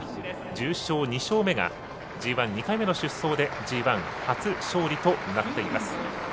重賞２勝目がＧＩ、２回目の出走でＧＩ初勝利となっています。